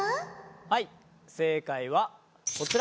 はい正解はこちら。